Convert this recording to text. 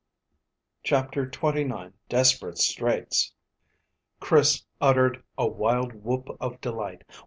CHAPTER TWENTY NINE. DESPERATE STRAITS. Chris uttered a wild whoop of delight.